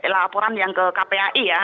laporan yang ke kpai ya